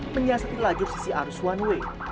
menyiasati laju sisi arus one way